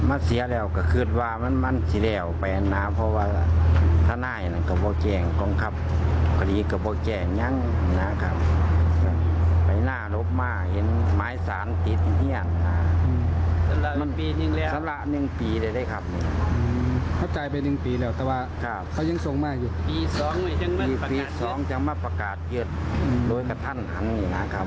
อืมเขาจ่ายไป๑ปีแล้วแต่ว่าเขายังส่งมากยัง